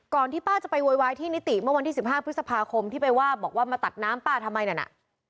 ที่ป้าจะไปโวยวายที่นิติเมื่อวันที่๑๕พฤษภาคมที่ไปว่าบอกว่ามาตัดน้ำป้าทำไมนั่นน่ะ